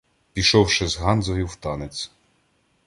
Пішовши з Гандзею в танець.